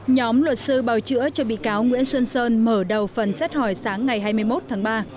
nhóm luật sư bào chữa cho bị cáo nguyễn xuân sơn mở đầu phần xét hỏi sáng ngày hai mươi một tháng ba